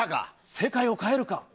世界を変えるか。